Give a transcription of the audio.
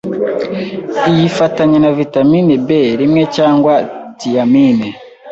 iyifitanya na vitamin B rimwe cg thiamine